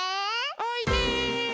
おいで。